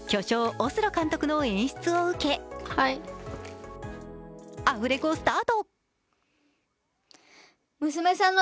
オスロ監督の演出を受け、アフレコスタート。